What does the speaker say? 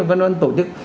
và văn văn tổ chức